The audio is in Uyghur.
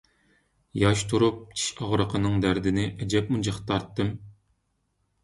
ياش تۇرۇپ چىش ئاغرىقىنىڭ دەردىنى ئەجەبمۇ جىق تارتتىم.